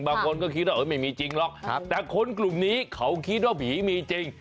บางคนก็คิดว่าไม่มีจริงหรอกแต่คนกลุ่มนี้เขาคิดว่าผีมีจริง